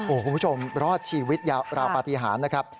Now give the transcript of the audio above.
โอ้โหคุณผู้ชมรอดชีวิตราวปฏิหารนะครับ